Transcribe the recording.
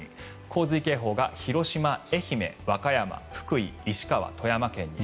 洪水警報が広島、愛媛、和歌山福井、石川、富山県に。